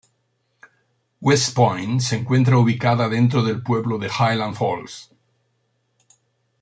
West Point se encuentra ubicada dentro del pueblo de Highland Falls.